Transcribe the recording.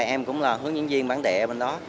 em cũng là hướng diễn viên bán đệ ở bên đó